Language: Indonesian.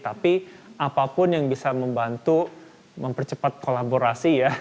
tapi apapun yang bisa membantu mempercepat kolaborasi ya